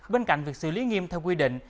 bên cạnh việc xử lý nghiêm theo quy định